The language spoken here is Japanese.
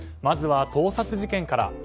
まずは盗撮事件から。